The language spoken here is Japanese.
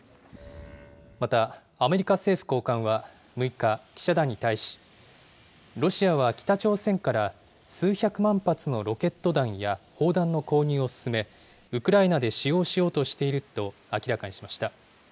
また、アメリカ政府高官は６日、記者団に対し、ロシアは北朝鮮から数百万発のロケット弾や、砲弾の購入を進め、ウクライナで使用しようとしていると明らかにしました。